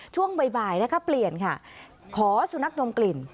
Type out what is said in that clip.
ช่วงบ่ายนะคะเปลี่ยนค่ะขอสุนัขดมกลิ่น